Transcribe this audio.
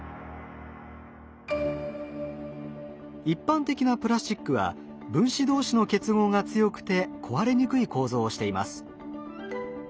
一般的なプラスチックは分子同士の結合が強くて壊れにくい構造をしています。